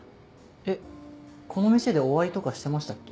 えっこの店でお会いとかしてましたっけ？